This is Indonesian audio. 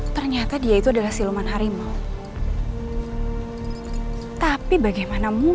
ternyata itu adalah siluman harimau